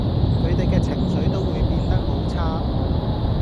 佢哋嘅情緒都會變得好差